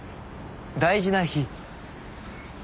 大事な日？